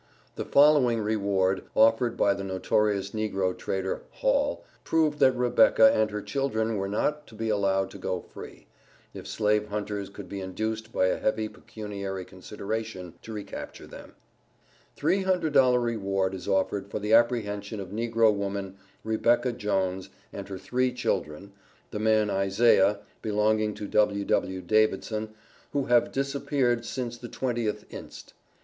The following reward, offered by the notorious negro trader, Hall, proved that Rebecca and her children were not to be allowed to go free, if slave hunters could be induced by a heavy pecuniary consideration to recapture them: $300 REWARD is offered for the apprehension of negro woman, REBECCA JONES and her three children, and man ISAIAH, belonging to W.W. Davidson, who have disappeared since the 20th inst.